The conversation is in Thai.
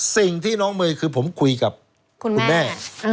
สิ่งที่น้องเมย์คือผมคุยกับคุณแม่